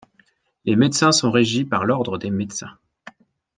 Les médecins sont régis par l'Ordre des médecins.